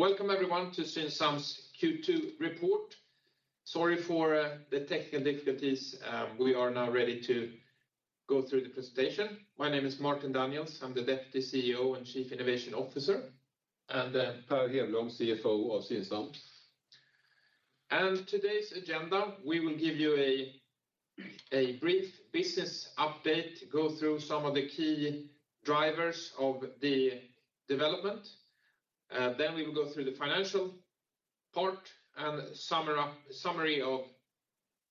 Welcome everyone to Synsam's Q2 report. Sorry for the technical difficulties. We are now ready to go through the presentation. My name is Martin Daniels. I'm the Deputy CEO and Chief Innovation Officer. Per Hedblom, CFO of Synsam. Today's agenda, we will give you a brief business update, go through some of the key drivers of the development, then we will go through the financial part and summary of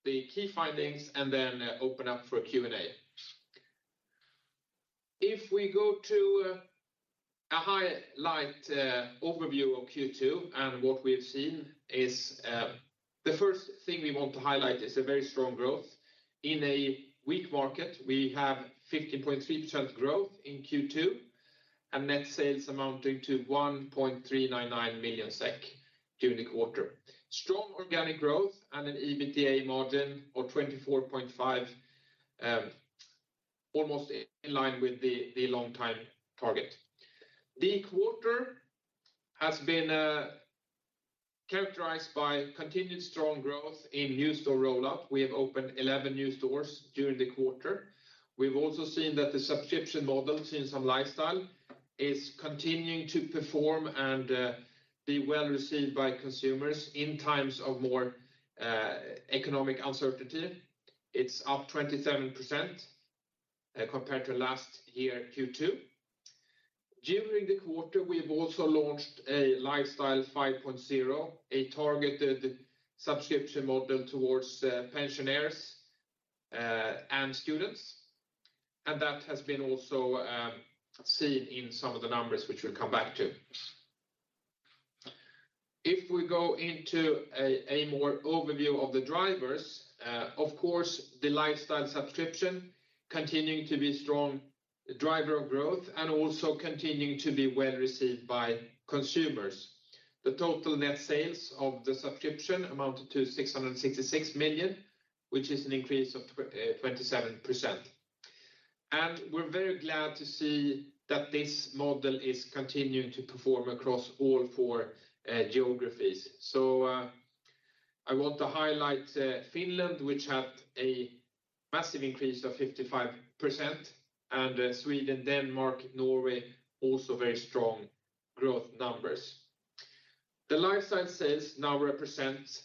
the key findings and then open up for Q&A. If we go to a highlight overview of Q2 and what we've seen is the first thing we want to highlight is a very strong growth. In a weak market, we have 50.3% growth in Q2, and net sales amounting to 1.399 million SEK during the quarter. Strong organic growth and an EBITDA margin of 24.5%, almost in line with the long-term target. The quarter has been characterized by continued strong growth in new store rollout. We have opened 11 new stores during the quarter. We've also seen that the subscription model, Synsam Lifestyle, is continuing to perform and be well-received by consumers in times of more economic uncertainty. It's up 27% compared to last year, Q2. During the quarter, we've also launched a Lifestyle 5.0, a targeted subscription model towards pensioners and students. That has been also seen in some of the numbers which we'll come back to. If we go into an overview of the drivers, of course, the Lifestyle subscription continuing to be strong driver of growth and also continuing to be well-received by consumers. The total net sales of the subscription amounted to 666 million, which is an increase of 27%. We're very glad to see that this model is continuing to perform across all four geographies. I want to highlight Finland, which had a massive increase of 55%, and Sweden, Denmark, Norway, also very strong growth numbers. The Lifestyle sales now represent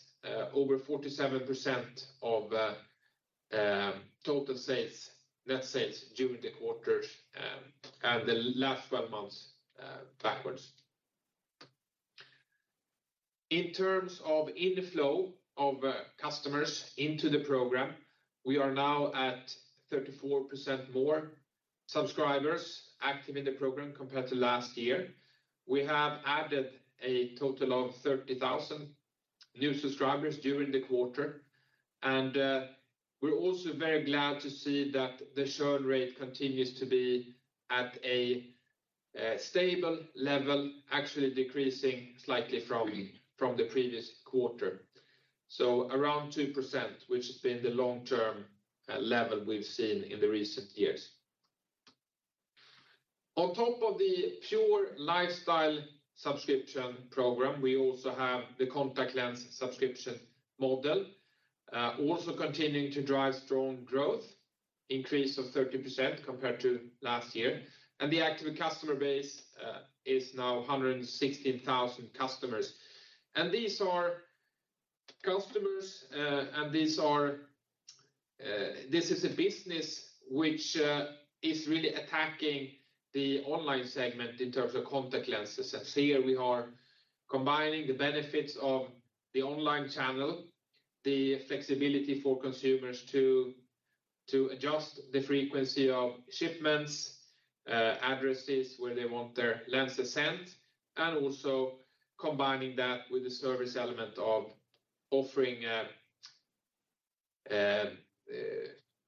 over 47% of total sales, net sales during the quarters, and the last 12 months backwards. In terms of inflow of customers into the program, we are now at 34% more subscribers active in the program compared to last year. We have added a total of 30,000 new subscribers during the quarter, and we're also very glad to see that the churn rate continues to be at a stable level, actually decreasing slightly from the previous quarter. Around 2%, which has been the long term level we've seen in the recent years. On top of the pure Lifestyle subscription program, we also have the contact lens subscription model, also continuing to drive strong growth, increase of 30% compared to last year. The active customer base is now 116,000 customers. These are customers. This is a business which is really attacking the online segment in terms of contact lenses. Here, we are combining the benefits of the online channel, the flexibility for consumers to adjust the frequency of shipments, addresses where they want their lenses sent, and also combining that with the service element of offering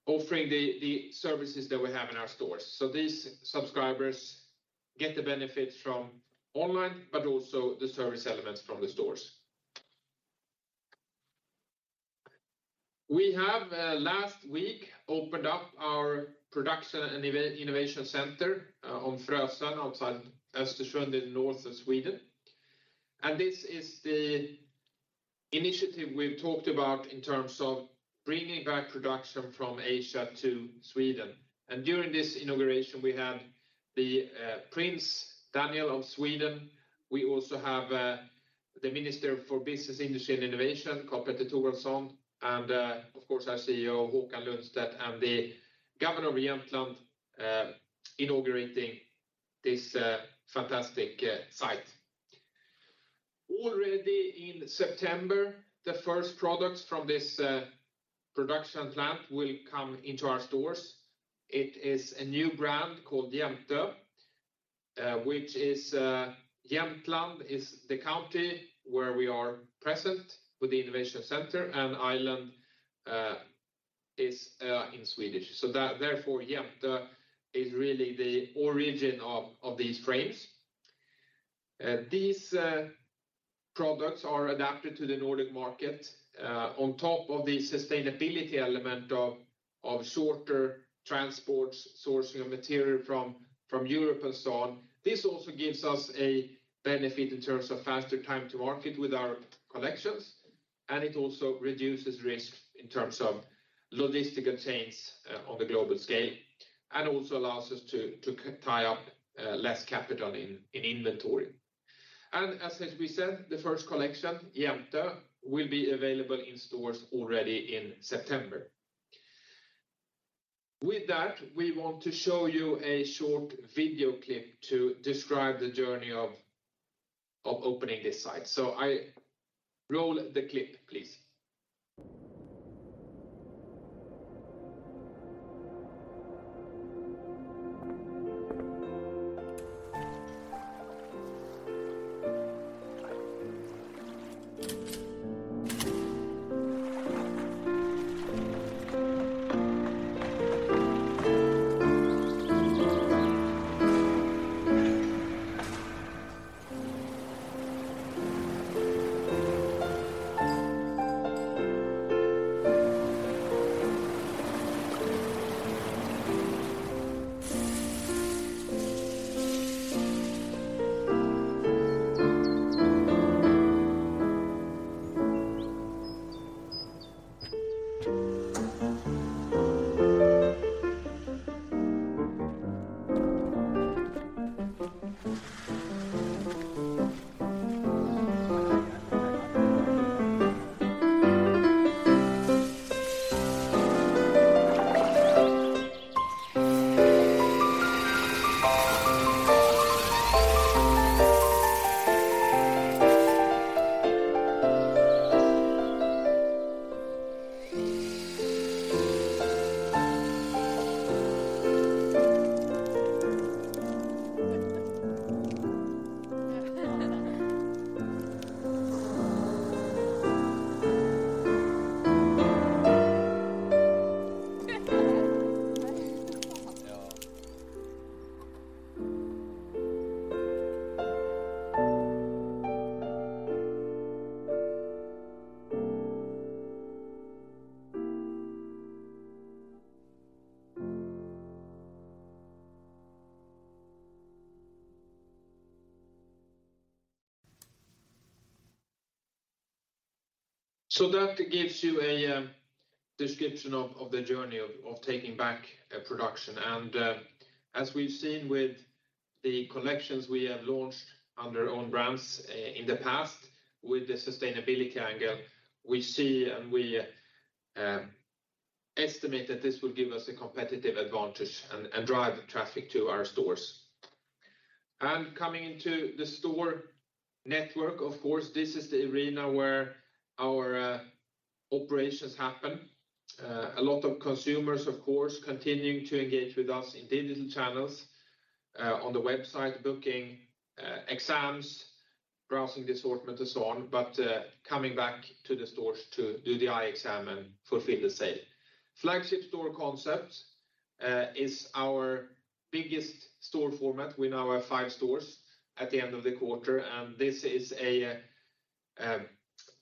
the services that we have in our stores. These subscribers get the benefits from online, but also the service elements from the stores. We have last week opened up our production and innovation center on Frösön outside Östersund in the north of Sweden. This is the initiative we've talked about in terms of bringing back production from Asia to Sweden. During this inauguration, we had the Prince Daniel of Sweden. We also have the Minister for Business, Industry and Innovation, Karl-Petter Thorwaldsson, and of course, our CEO, Håkan Lundstedt, and the Governor of Jämtland inaugurating this fantastic site. Already in September, the first products from this production plant will come into our stores. It is a new brand called Jämtö, which is Jämtland is the county where we are present with the innovation center, and island is in Swedish. That therefore, Jämtö is really the origin of these frames. These products are adapted to the Nordic market on top of the sustainability element of shorter transports, sourcing of material from Europe and so on. This also gives us a benefit in terms of faster time to market with our collections, and it also reduces risk in terms of logistical chains on the global scale, and also allows us to tie up less capital in inventory. As we have said, the first collection, Jämtö, will be available in stores already in September. With that, we want to show you a short video clip to describe the journey of opening this site. Roll the clip, please. That gives you a description of the journey of taking back a production. As we've seen with the collections we have launched under own brands in the past with the sustainability angle, we see and estimate that this will give us a competitive advantage and drive traffic to our stores. Coming into the store network, of course, this is the arena where our operations happen. A lot of consumers, of course, continuing to engage with us in digital channels on the website, booking exams, browsing the assortment and so on, but coming back to the stores to do the eye exam and fulfill the sale. Flagship store concept is our biggest store format. We now have five stores at the end of the quarter, and this is a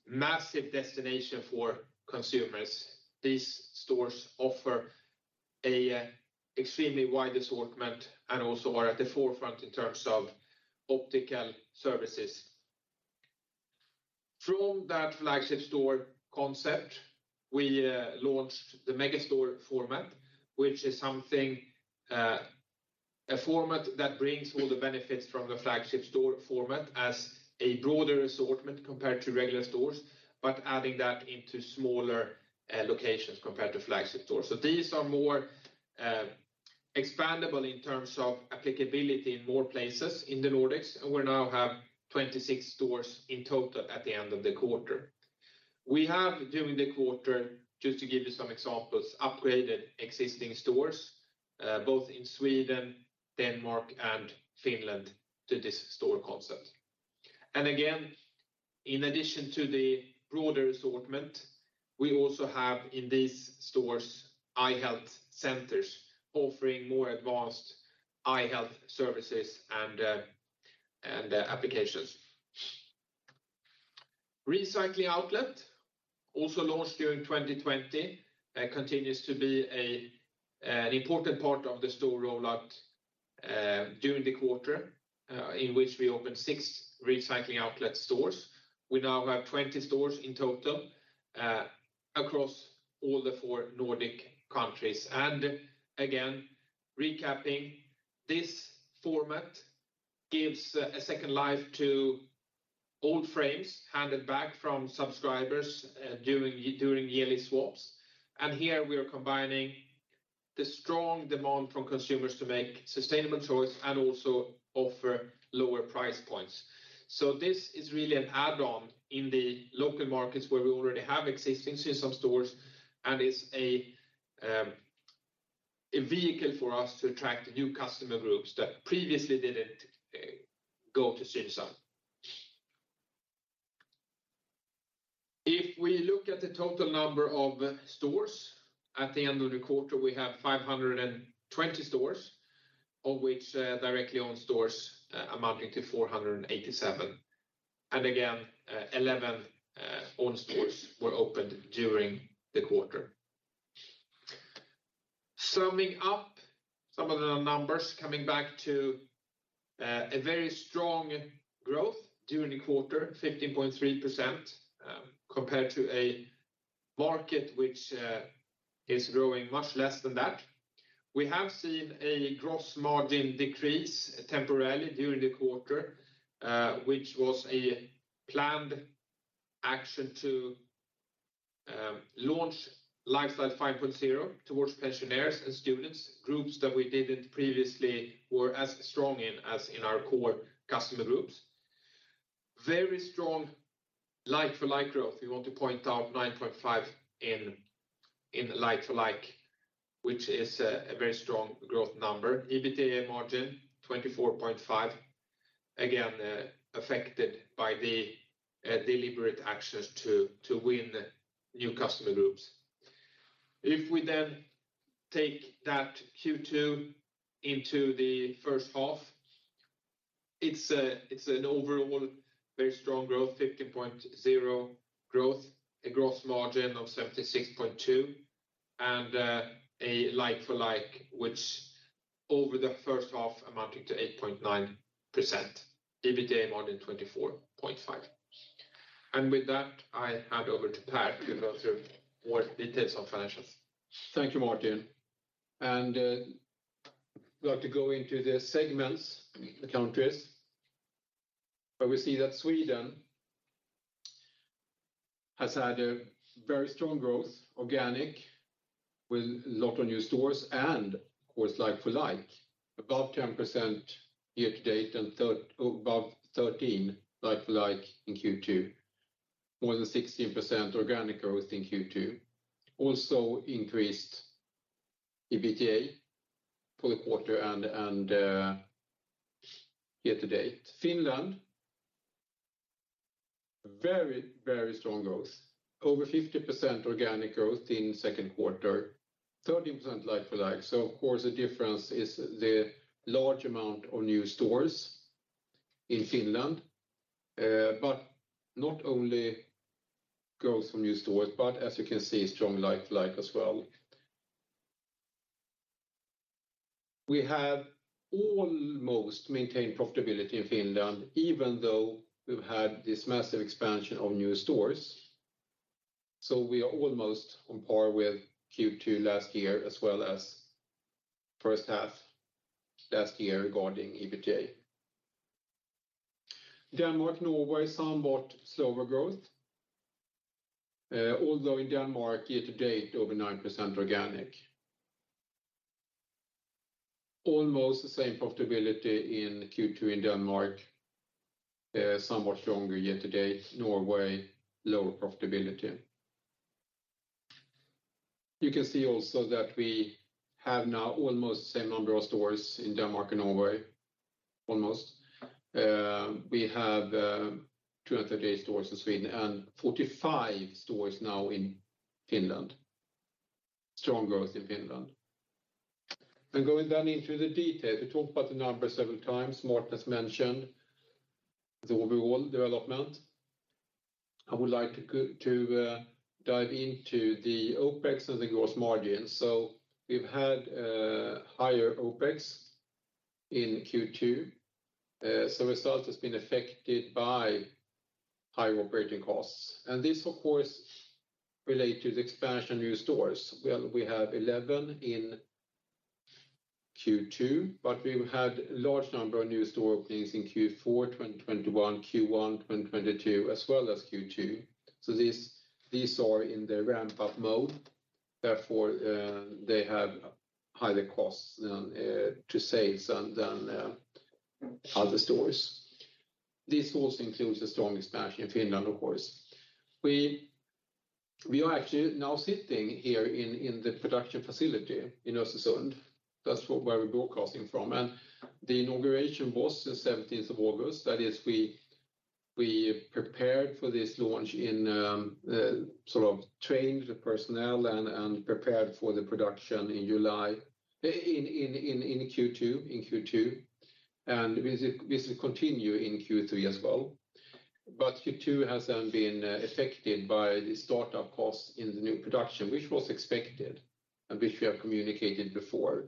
massive destination for consumers. These stores offer a extremely wide assortment and also are at the forefront in terms of optical services. From that flagship store concept, we launched the Megastore format, which is a format that brings all the benefits from the flagship store format as a broader assortment compared to regular stores, but adding that into smaller locations compared to flagship stores. These are more expandable in terms of applicability in more places in the Nordics, and we now have 26 stores in total at the end of the quarter. We have, during the quarter, just to give you some examples, upgraded existing stores both in Sweden, Denmark, and Finland to this store concept. Again, in addition to the broader assortment, we also have in these stores eye health centers offering more advanced eye health services and applications. Recycling Outlet, also launched during 2020, continues to be an important part of the store rollout during the quarter in which we opened six Recycling Outlet stores. We now have 20 stores in total across all the four Nordic countries. Again, recapping, this format gives a second life to old frames handed back from subscribers during yearly swaps. Here we are combining the strong demand from consumers to make sustainable choice and also offer lower price points. This is really an add-on in the local markets where we already have existing Synsam stores, and it's a vehicle for us to attract new customer groups that previously didn't go to Synsam. If we look at the total number of stores at the end of the quarter, we have 520 stores, of which directly owned stores amounting to 487. Again, 11 new stores were opened during the quarter. Summing up some of the numbers coming back to a very strong growth during the quarter, 15.3%, compared to a market which is growing much less than that. We have seen a gross margin decrease temporarily during the quarter, which was a planned action to launch Lifestyle 5.0 towards pensioners and students, groups that we didn't previously were as strong in as in our core customer groups. Very strong like-for-like growth. We want to point out 9.5% in like-for-like, which is a very strong growth number. EBITDA margin 24.5%, again, affected by the deliberate actions to win new customer groups. If we then take that Q2 into the first half, it's an overall very strong growth, 15.0% growth, a gross margin of 76.2% and a like-for-like which over the first half amounting to 8.9%, EBITDA margin 24.5%. With that, I hand over to Per to go through more details on financials. Thank you, Martin. We have to go into the segments, the countries, where we see that Sweden has had a very strong growth, organic, with a lot of new stores and of course like-for-like above 10% year to date and above 13 like-for-like in Q2. More than 16% organic growth in Q2. Also increased EBITDA for the quarter and year to date. Finland, very, very strong growth. Over 50% organic growth in second quarter, 13% like-for-like. Of course the difference is the large amount of new stores in Finland, but not only growth from new stores, but as you can see, strong like-for-like as well. We have almost maintained profitability in Finland even though we've had this massive expansion of new stores. We are almost on par with Q2 last year as well as first half last year regarding EBITDA. Denmark, Norway, somewhat slower growth, although in Denmark year to date over 9% organic. Almost the same profitability in Q2 in Denmark, somewhat stronger year to date. Norway, lower profitability. You can see also that we have now almost same number of stores in Denmark and Norway. We have 238 stores in Sweden and 45 stores now in Finland. Strong growth in Finland. Going down into the detail, we talked about the numbers several times. Martin has mentioned the overall development. I would like to dive into the OpEx and the gross margin. We've had higher OpEx in Q2. Result has been affected by higher operating costs. This of course relate to the expansion of new stores. Well, we have 11 in Q2, but we've had large number of new store openings in Q4 2021, Q1 2022 as well as Q2. These are in the ramp-up mode. Therefore, they have higher costs to sales than other stores. This also includes a strong expansion in Finland of course. We are actually now sitting here in the production facility in Östersund. That's where we're broadcasting from. The inauguration was the August 17th. That is we prepared for this launch in sort of trained the personnel and prepared for the production in July, in Q2. This will continue in Q3 as well. Q2 has then been affected by the startup costs in the new production, which was expected and which we have communicated before.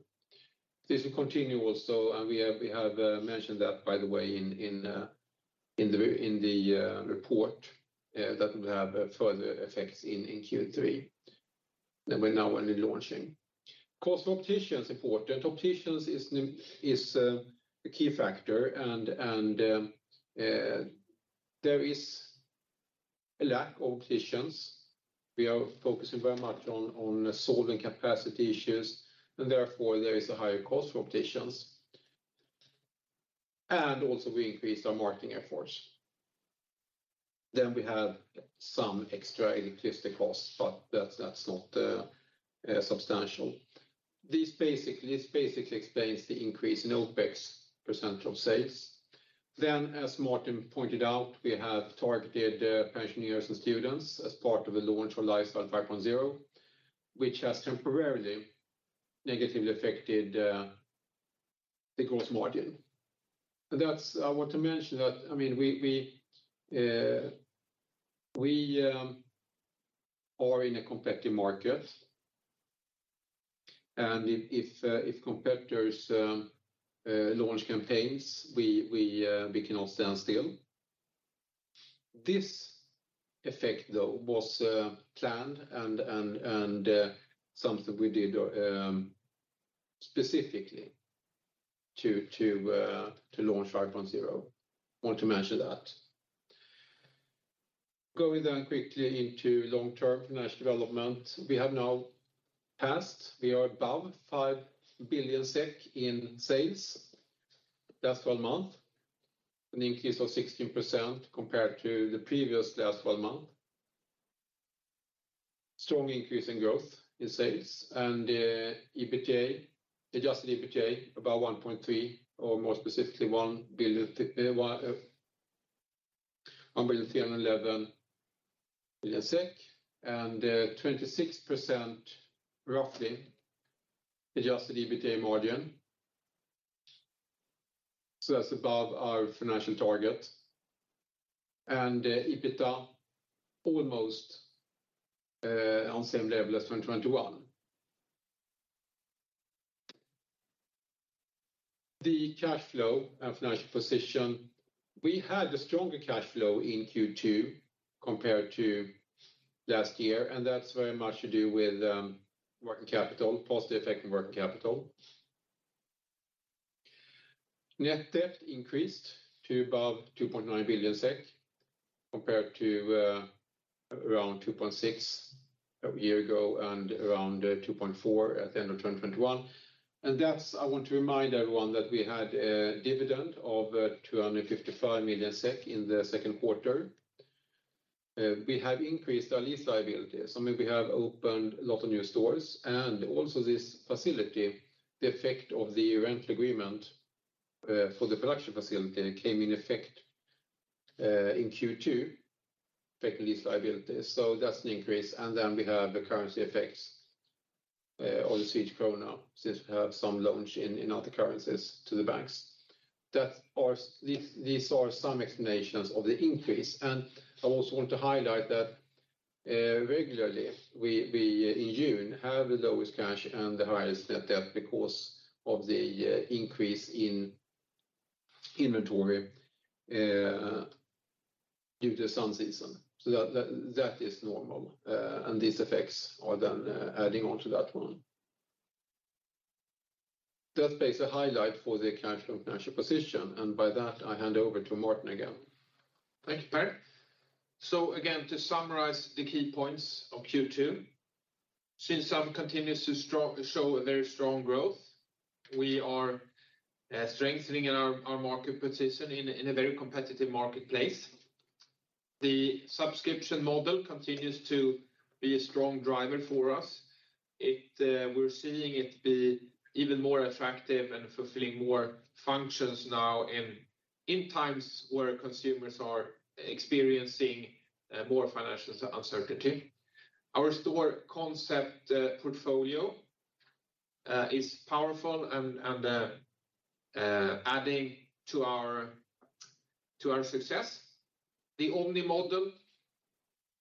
This will continue also, and we have mentioned that by the way in the report that will have further effects in Q3 than we're now only launching. Cost of opticians is important. Opticians is a key factor and there is a lack of opticians. We are focusing very much on solving capacity issues and therefore there is a higher cost for opticians. We increased our marketing efforts. We have some extra electricity costs, but that's not substantial. This basically explains the increase in OpEx percent of sales. As Martin pointed out, we have targeted pensioners and students as part of a launch for Lifestyle 5.0, which has temporarily negatively affected the gross margin. I want to mention that, I mean, we are in a competitive market. If competitors launch campaigns, we cannot stand still. This effect, though, was planned and something we did specifically to launch 5.0. Want to mention that. Going quickly into long-term financial development. We have now passed, we are above 5 billion SEK in sales last 12 months, an increase of 16% compared to the previous last 12 months. Strong increase in growth in sales. EBITDA, Adjusted EBITDA, about 1.3, or more specifically, 1.311 billion. 26%, roughly, Adjusted EBITDA margin. That's above our financial target. EBITDA almost on same level as from 2021. The cash flow and financial position, we had a stronger cash flow in Q2 compared to last year, and that's very much to do with working capital, positive effect in working capital. Net debt increased to above 2.9 billion SEK, compared to around 2.6 billion a year ago and around 2.4 billion at the end of 2021. I want to remind everyone that we had a dividend of 255 million SEK in the second quarter. We have increased our lease liability. I mean, we have opened a lot of new stores. Also this facility, the effect of the rental agreement for the production facility came into effect in Q2, affecting lease liabilities. That's an increase. Then we have the currency effects on the Swedish krona, since we have some loans in other currencies to the banks. These are some explanations of the increase. I also want to highlight that regularly, we in June have the lowest cash and the highest net debt because of the increase in inventory due to summer season. That is normal, and these effects are then adding on to that one. That's basically a highlight for the cash flow and financial position. By that, I hand over to Martin again. Thank you, Per. Again, to summarize the key points of Q2. Synsam continues to show a very strong growth. We are strengthening our market position in a very competitive marketplace. The subscription model continues to be a strong driver for us. We're seeing it be even more attractive and fulfilling more functions now in times where consumers are experiencing more financial uncertainty. Our store concept portfolio is powerful and adding to our success. The omni-channel model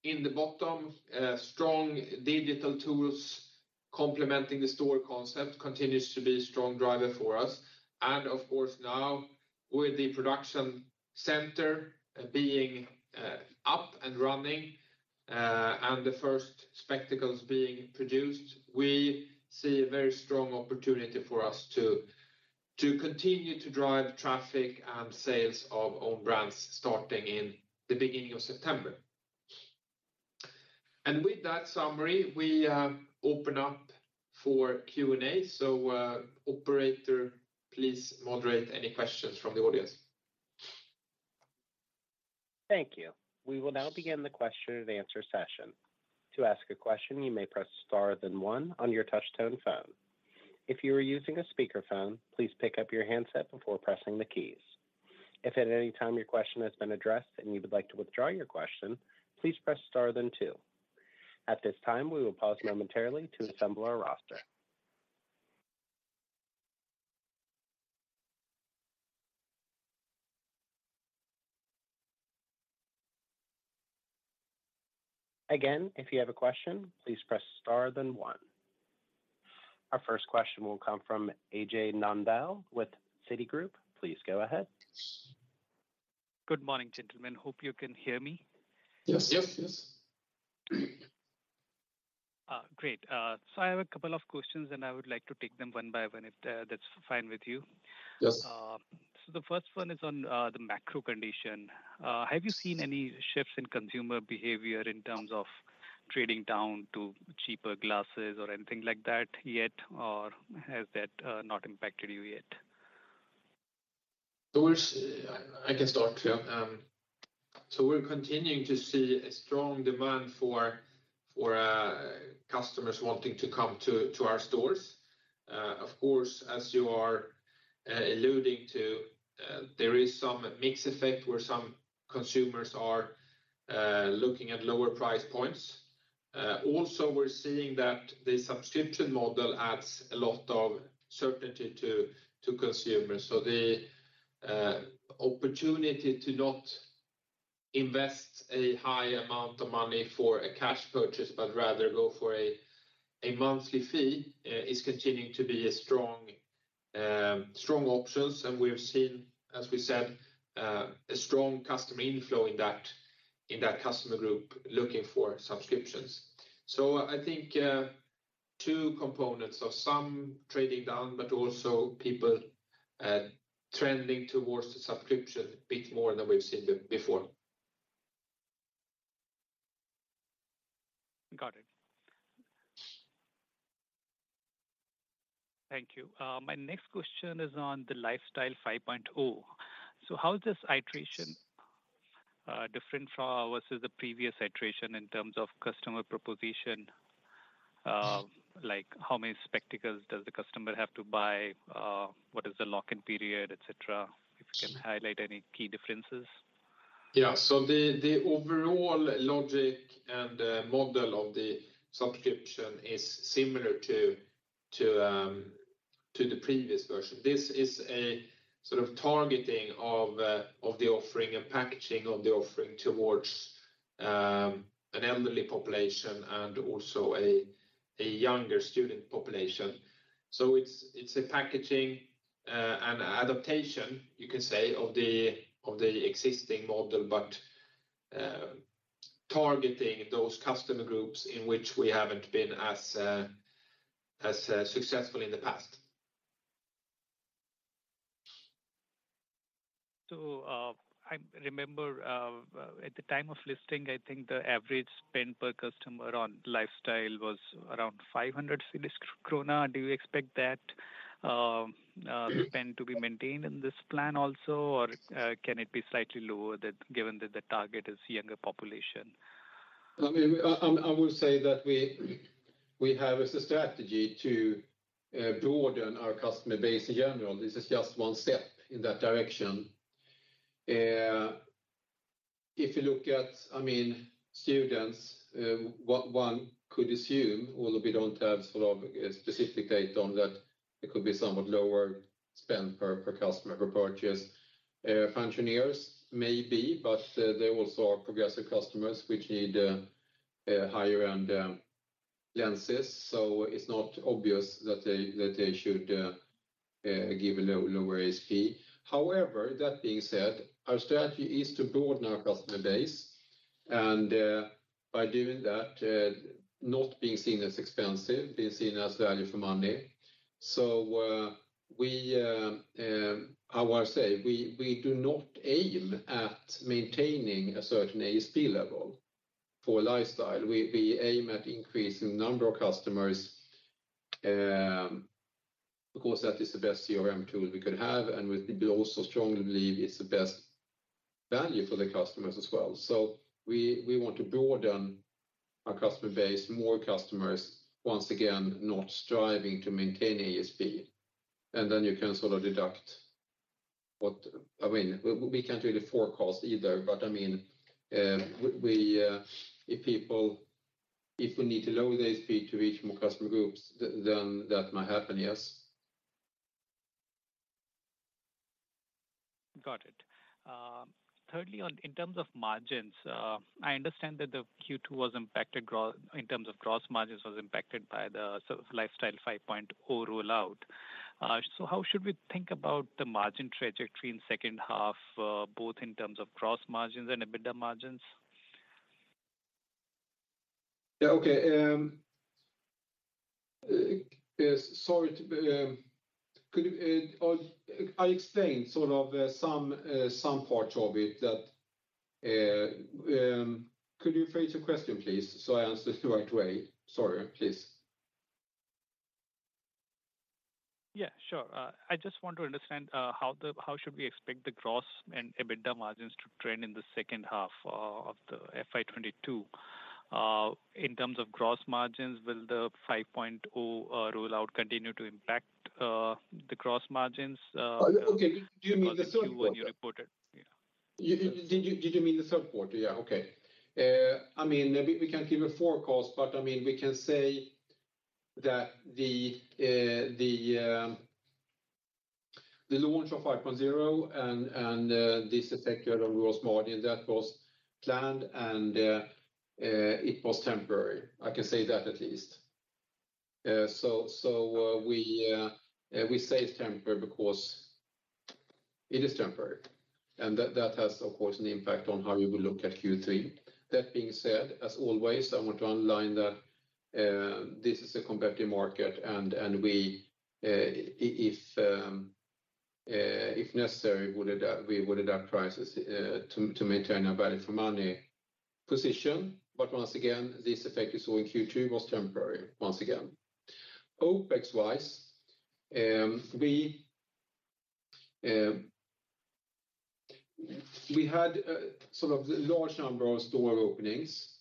and the strong digital tools complementing the store concept continues to be a strong driver for us. Of course now, with the production center being up and running, and the first spectacles being produced, we see a very strong opportunity for us to continue to drive traffic and sales of own brands starting in the beginning of September. With that summary, we open up for Q&A. Operator, please moderate any questions from the audience. Thank you. We will now begin the question and answer session. To ask a question, you may press star then one on your touch tone phone. If you are using a speaker phone, please pick up your handset before pressing the keys. If at any time your question has been addressed and you would like to withdraw your question, please press star then two. At this time, we will pause momentarily to assemble our roster. Again, if you have a question, please press star then one. Our first question will come from Ajay Nandal with Citigroup. Please go ahead. Good morning, gentlemen. Hope you can hear me. Yes. Yes. Yes. Great. I have a couple of questions, and I would like to take them one by one, if that's fine with you. Yes. The first one is on the macro condition. Have you seen any shifts in consumer behavior in terms of trading down to cheaper glasses or anything like that yet? Or has that not impacted you yet? I can start. Yeah. We're continuing to see a strong demand for customers wanting to come to our stores. Of course, as you are alluding to, there is some mix effect where some consumers are looking at lower price points. Also we're seeing that the subscription model adds a lot of certainty to consumers. The opportunity to not invest a high amount of money for a cash purchase, but rather go for a monthly fee is continuing to be a strong options. We've seen, as we said, a strong customer inflow in that customer group looking for subscriptions. I think two components of some trading down, but also people trending towards the subscription a bit more than we've seen before. Got it. Thank you. My next question is on the Lifestyle 5.0. How is this iteration different from versus the previous iteration in terms of customer proposition? Like how many spectacles does the customer have to buy? What is the lock-in period, et cetera? If you can highlight any key differences. Yeah. The overall logic and model of the subscription is similar to the previous version. This is a sort of targeting of the offering and packaging of the offering towards an elderly population and also a younger student population. It's a packaging and adaptation, you can say, of the existing model, but targeting those customer groups in which we haven't been as successful in the past. I remember at the time of listing, I think the average spend per customer on Lifestyle was around 500 krona. Do you expect that spend to be maintained in this plan also? Or can it be slightly lower than that given that the target is younger population? I would say that we have as a strategy to broaden our customer base in general. This is just one step in that direction. If you look at students, one could assume, although we don't have sort of specific data on that, it could be somewhat lower spend per customer per purchase. Pensioners maybe, but they also are progressive customers which need higher-end lenses. It's not obvious that they should give a lower ASP. However, that being said, our strategy is to broaden our customer base and, by doing that, not being seen as expensive, being seen as value for money. I will say we do not aim at maintaining a certain ASP level for Lifestyle. We aim at increasing number of customers. Of course, that is the best CRM tool we could have, and we also strongly believe it's the best value for the customers as well. We want to broaden our customer base, more customers, once again, not striving to maintain ASP. Then you can sort of deduct what I mean. We can't really forecast either, but I mean, if we need a lower ASP to reach more customer groups, then that might happen, yes. Got it. Thirdly, in terms of margins, I understand that the Q2 was impacted in terms of gross margins by the sort of Lifestyle 5.0 rollout. How should we think about the margin trajectory in second half, both in terms of gross margins and EBITDA margins? Yeah, okay. Sorry. Could you rephrase your question, please, so I answer the right way? Sorry. Please. Yeah, sure. I just want to understand how should we expect the gross and EBITDA margins to trend in the second half of the FY 2022. In terms of gross margins, will the 5.0 rollout continue to impact the gross margins? Okay. Do you mean the third quarter? In Q2 when you reported? Yeah. Did you mean the third quarter? Yeah, okay. I mean, we can't give a forecast, but I mean, we can say that the launch of 5.0 and this effect on gross margin, that was planned and it was temporary. I can say that at least. We say it's temporary because it is temporary, and that has of course an impact on how you will look at Q3. That being said, as always, I want to underline that this is a competitive market and we, if necessary, would adapt, we would adapt prices to maintain our value for money position. Once again, this effect you saw in Q2 was temporary, once again. OpEx wise, we had a sort of large number of store openings.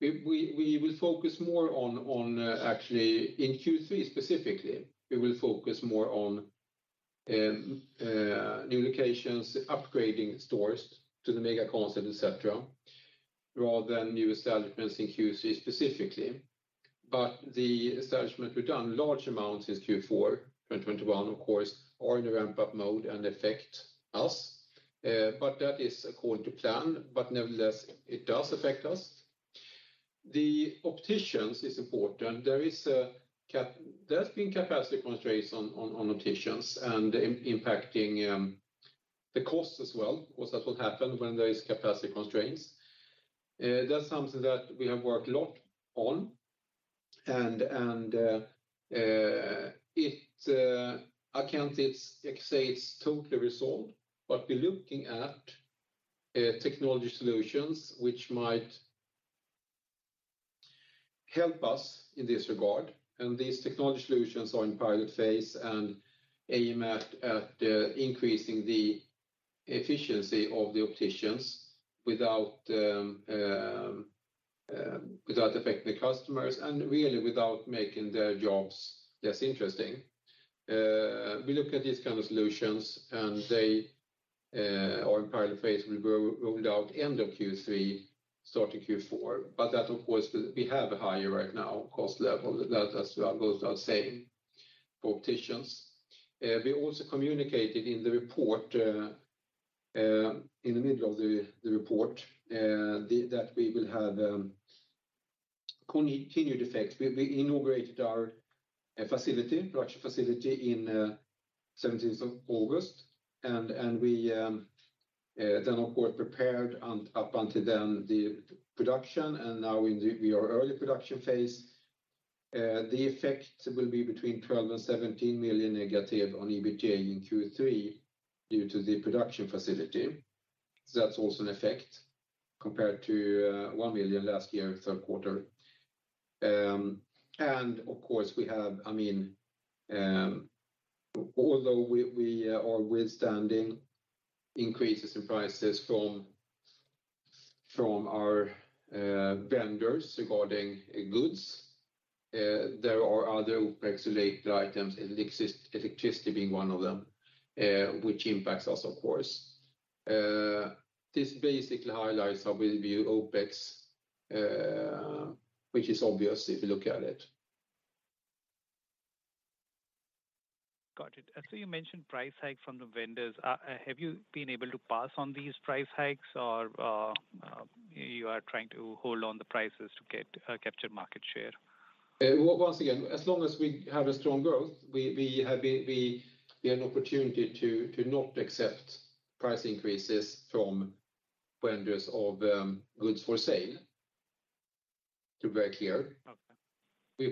We will focus more on actually in Q3 specifically new locations, upgrading stores to the mega concept, et cetera, rather than new establishments in Q3 specifically. The establishment we've done large amounts since Q4 2021, of course, are in a ramp-up mode and affect us. That is according to plan, but nevertheless, it does affect us. The opticians is important. There's been capacity constraints on opticians and impacting the costs as well. Of course, that's what happen when there is capacity constraints. That's something that we have worked a lot on. I can't say it's totally resolved, but we're looking at technology solutions which might help us in this regard. These technology solutions are in pilot phase and aimed at increasing the efficiency of the opticians without affecting the customers and really without making their jobs less interesting. We look at these kind of solutions and they are in pilot phase and will be rolled out end of Q3, starting Q4. That of course will. We have a higher right now cost level that, as I was saying, opticians. We also communicated in the report in the middle of the report that we will have continued effects. We inaugurated our production facility in August 17th and then of course prepared up until then the production and now in our early production phase. The effect will be between 12 million and 17 million negative on EBITDA in Q3 due to the production facility. That's also an effect compared to 1 million last year, third quarter. Of course, we have, I mean, although we are withstanding increases in prices from our vendors regarding goods, there are other OpEx-related items, electricity being one of them, which impacts us of course. This basically highlights how we view OpEx, which is obvious if you look at it. Got it. You mentioned price hike from the vendors. Have you been able to pass on these price hikes or you are trying to hold on the prices to capture market share? Once again, as long as we have a strong growth, we have an opportunity to not accept price increases from vendors of goods for sale, to be very clear. Okay.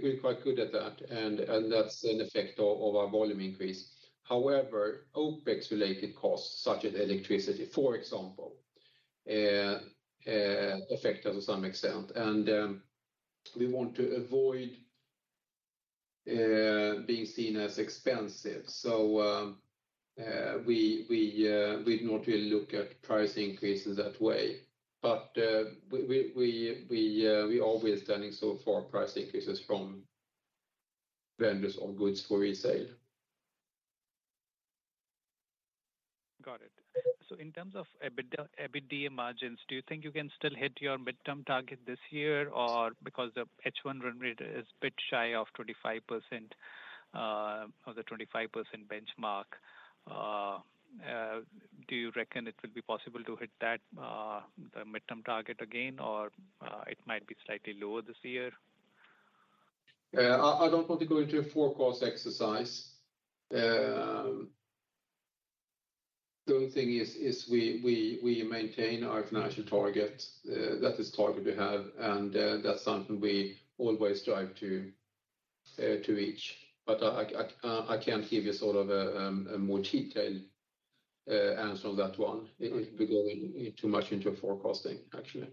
We're quite good at that and that's an effect of our volume increase. However, OpEx related costs such as electricity, for example, affect us to some extent. We want to avoid being seen as expensive. We always pass on price increases from vendors of goods for resale. Got it. In terms of EBITDA margins, do you think you can still hit your midterm target this year or because the H1 run rate is a bit shy of 25%, or the 25% benchmark? Do you reckon it will be possible to hit that, the midterm target again, or it might be slightly lower this year? I don't want to go into a forecast exercise. The only thing is we maintain our financial target. That is target we have, and that's something we always strive to reach. I can't give you sort of a more detailed answer on that one. It'll be going too much into forecasting, actually.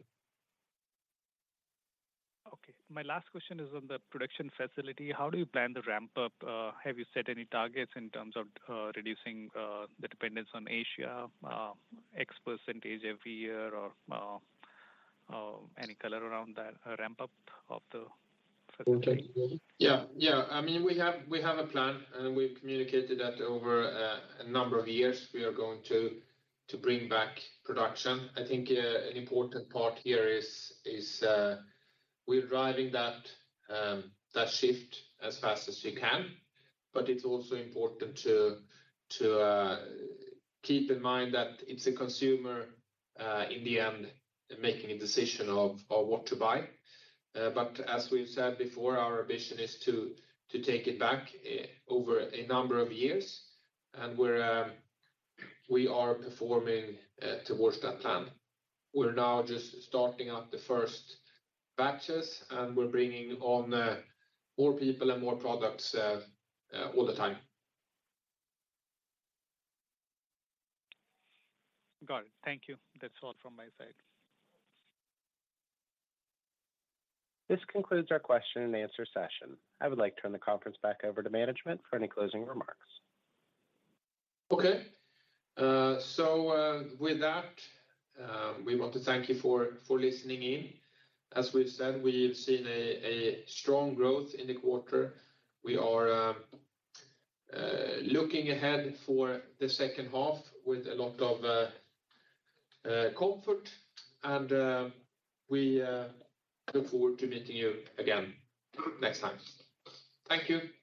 Okay. My last question is on the production facility. How do you plan to ramp up? Have you set any targets in terms of reducing the dependence on Asia, X percentage every year or any color around that ramp up of the facility? Okay. Yeah, yeah. I mean, we have a plan, and we've communicated that over a number of years. We are going to bring back production. I think an important part here is we're driving that shift as fast as we can, but it's also important to keep in mind that it's a consumer in the end making a decision of what to buy. As we've said before, our ambition is to take it back over a number of years, and we are performing towards that plan. We're now just starting up the first batches, and we're bringing on more people and more products all the time. Got it. Thank you. That's all from my side. This concludes our question and answer session. I would like to turn the conference back over to management for any closing remarks. Okay. With that, we want to thank you for listening in. As we've said, we've seen a strong growth in the quarter. We are looking ahead for the second half with a lot of comfort and we look forward to meeting you again next time. Thank you.